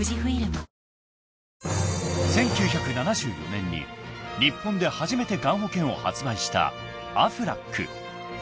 ［１９７４年に日本で初めてがん保険を発売したアフラック］